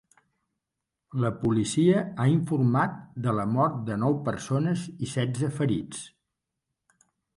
La policia ha informat de la mort de nou persones i setze ferits.